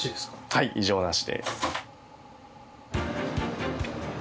はい異常なしです。